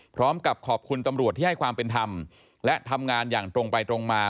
พร้อมกับขอบคุณตำรวจที่ให้ความเป็นธรรมและทำงานอย่างตรงไปตรงมา